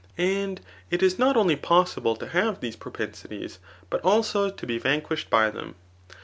And it is not only possible to have these propensities, but dao to be vanquislied by them.